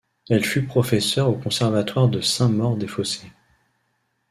Elle fut professeur au conservatoire de Saint-Maur-des-Fossés.